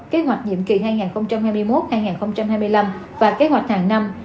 kế hoạch nhiệm kỳ hai nghìn hai mươi một hai nghìn hai mươi năm và kế hoạch hàng năm